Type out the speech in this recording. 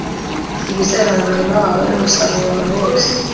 ibizera mu murima wawe n'umusaruro wawe wose